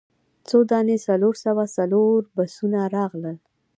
څو دانې څلور سوه څلور بسونه راغلل.